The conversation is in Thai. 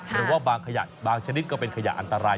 หรือว่าบางขยะบางชนิดก็เป็นขยะอันตราย